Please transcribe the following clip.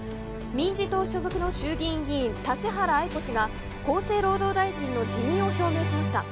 民事党所属の衆議院議員立原愛子氏が厚生労働大臣の辞任を表明しました。